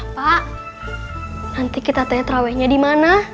pak nanti kita teh tarawehnya di mana